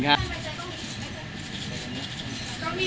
ได้พี่